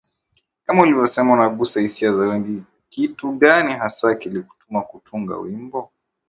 kama ulivyosema unagusa hisia za wengi Kitu gani hasa kilikutuma kutunga wimbo